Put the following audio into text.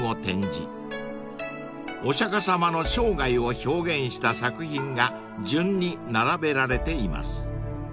［お釈迦様の生涯を表現した作品が順に並べられています］